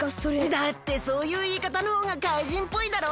だってそういういいかたのほうがかいじんっぽいだろ？